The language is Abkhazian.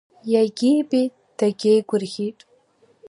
Иагьибеит дагьеигәырӷьеит.